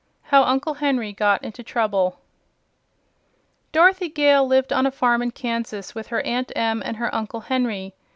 2. How Uncle Henry Got Into Trouble Dorothy Gale lived on a farm in Kansas, with her Aunt Em and her Uncle Henry.